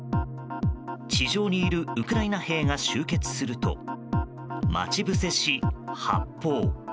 地上にいるウクライナ兵が集結すると待ち伏せし、発砲。